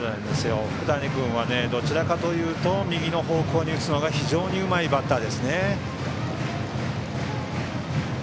福谷君はどちらかというと右の方向に打つのが非常にうまいバッター。